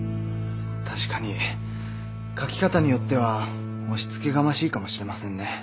確かに書き方によっては押し付けがましいかもしれませんね。